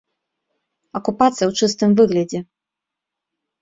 Акупацыя ў чыстым выглядзе!